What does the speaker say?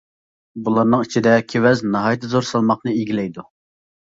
بۇلارنىڭ ئىچىدە كېۋەز ناھايىتى زور سالماقنى ئىگىلەيدۇ.